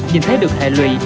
nhìn thấy được hệ lụy